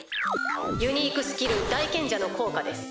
ユニークスキル大賢者の効果です。